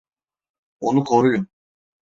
Onu koruyun!